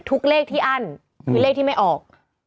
ทุกเลขที่อั้นมีเลขที่ไม่ออก